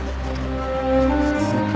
普通か。